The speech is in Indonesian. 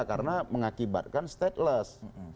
karena mengakibatkan stateless